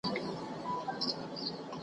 په ځنګله کي د چینجیو د میندلو .